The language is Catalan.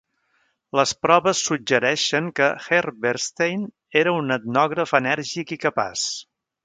Les proves suggereixen que Herberstein era un etnògraf enèrgic i capaç.